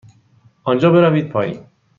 آنجا بروید پایین.